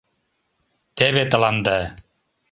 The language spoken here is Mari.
— Теве тыланда...